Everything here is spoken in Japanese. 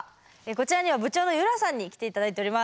こちらには部長のゆらさんに来て頂いております。